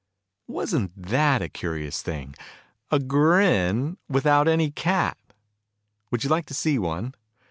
Wasn't that a curious thing, a Grin without any Cat ? Would you like to see one